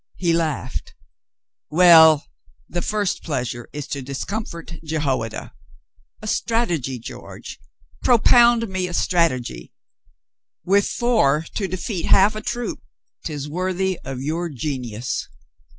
.. He laughed. ... "Well, the first pleasure is to discomfort Jehoiada. A strategy, George! Pro pound me a strategy. With four to defeat half a troop. 'Tis worthy of your genius."